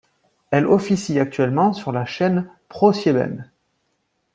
Elle officie actuellement sur la chaîne ProSieben.